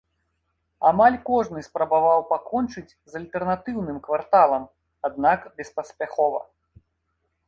Амаль кожны спрабаваў пакончыць з альтэрнатыўным кварталам, аднак беспаспяхова.